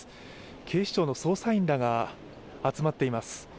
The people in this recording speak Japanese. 警視庁の捜査員らが集まっています。